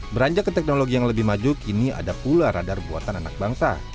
beranjak ke teknologi yang lebih maju kini ada pula radar buatan anak bangsa